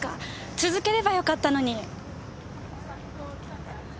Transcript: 続ければよかったのに！